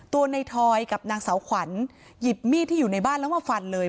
ตัวในทอยกับนางสาวขวัญหยิบมีดที่อยู่ในบ้านแล้วมาฟันเลย